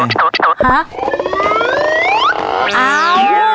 อ้าว